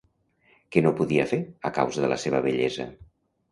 Què no podia fer a causa de la seva vellesa?